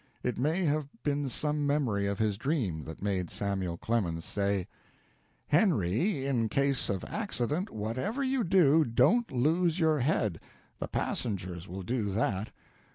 It may have been some memory of his dream that made Samuel Clemens say: "Henry, in case of accident, whatever you do, don't lose your head the passengers will do that.